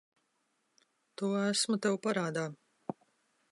To esmu tev parādā.